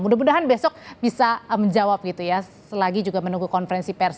mudah mudahan besok bisa menjawab gitu ya selagi juga menunggu konferensi pers